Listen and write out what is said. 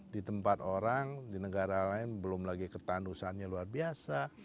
di tempat orang di negara lain belum lagi ketandusannya luar biasa